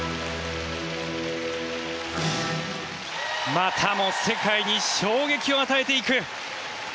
またも世界に衝撃を与えていく。